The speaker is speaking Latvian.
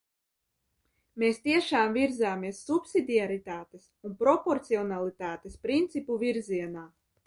Mēs tiešām virzāmies subsidiaritātes un proporcionalitātes principu virzienā.